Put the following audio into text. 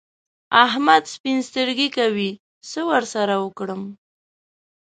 احمد سپين سترګي کوي؛ څه ور سره وکړم؟!